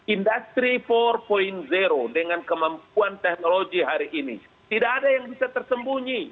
industri empat dengan kemampuan teknologi hari ini tidak ada yang bisa tersembunyi